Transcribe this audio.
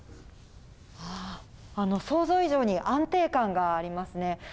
あー、あの、想像以上に安定感がありますね。